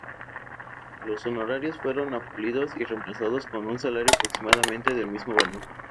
Los honorarios fueron abolidos y reemplazados con un salario aproximadamente del mismo valor.